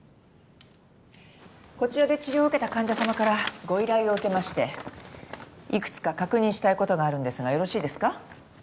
こちらで治療を受けた患者様からご依頼を受けましていくつか確認したいことがあるんですがよろしいですか？